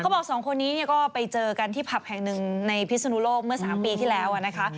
บอกสองคนนี้ก็ไปเจอกันที่ผับแห่งหนึ่งในพิศนุโลกเมื่อ๓ปีที่แล้วนะคะ